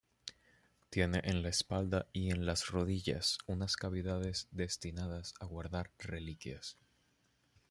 Tiene en la espalda y en las rodillas unas cavidades destinadas a guardar reliquias.